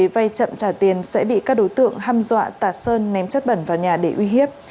vay chậm trả tiền sẽ bị các đối tượng ham dọa tạt sơn ném chất bẩn vào nhà để uy hiếp